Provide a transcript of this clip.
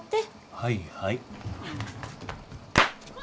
はいはい。